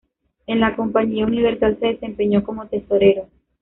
En la compañía Universal se desempeñó como tesorero.